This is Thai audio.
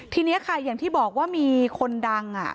ทีนี้ค่ะอย่างที่บอกว่ามีคนดัง